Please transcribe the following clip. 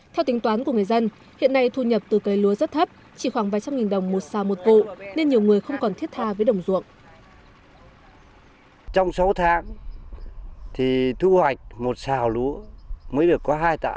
theo tính toán của người dân hiện nay thu nhập từ cấy lúa rất thấp chỉ khoảng vài trăm nghìn đồng một xào một vụ